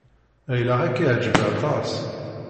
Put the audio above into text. Ɣileɣ ad k-yeɛjeb aṭas.